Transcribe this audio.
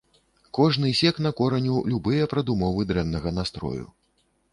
Кожны сек на кораню любыя перадумовы дрэннага настрою.